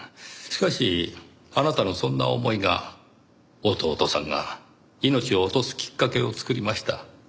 しかしあなたのそんな思いが弟さんが命を落とすきっかけを作りました。